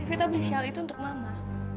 evita beli shawl itu untuk mama